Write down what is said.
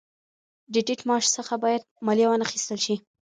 د ټیټ معاش څخه باید مالیه وانخیستل شي